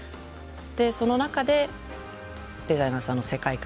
でその中でデザイナーさんの世界観を表現していく。